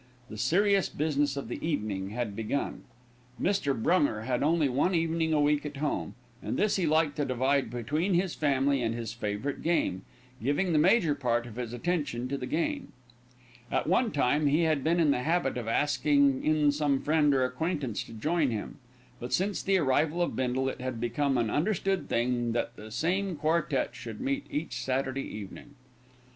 The serious business of the evening had begun. Mr. Brunger had only one evening a week at home, and this he liked to divide between his family and his favourite game, giving the major part of his attention to the game. At one time he had been in the habit of asking in some friend or acquaintance to join him; but, since the arrival of Bindle, it had become an understood thing that the same quartette should meet each Saturday evening. Mrs.